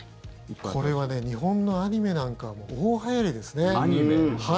これは日本のアニメなんかはもう大はやりですね。